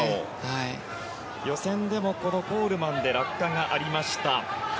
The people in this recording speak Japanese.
予選でも、このコールマンで落下がありました。